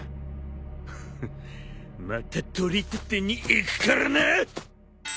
フンまた取り立てに行くからな！